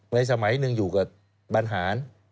สมัยหนึ่งอยู่กับบรรหาร